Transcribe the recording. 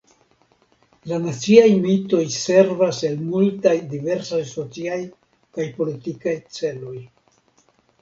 La naciaj mitoj servas al multaj diversaj sociaj kaj politikaj celoj.